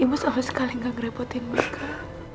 ibu sama sekali nggak ngerepotin mereka